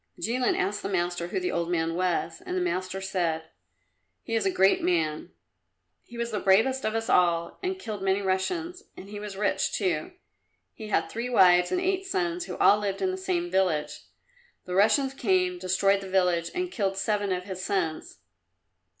Jilin asked the master who the old man was, and the master said, "He is a great man! He was the bravest of us all, and killed many Russians, and he was rich, too. He had three wives and eight sons, who all lived in the same village. The Russians came, destroyed the village, and killed seven of his sons.